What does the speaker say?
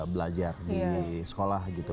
belajar di sekolah gitu